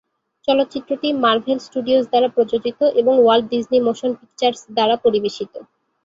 চলচ্চিত্রটি Marvel Studios দ্বারা প্রযোজিত এবং ওয়াল্ট ডিজনি মোশন পিকচার্স দ্বারা পরিবেশিত।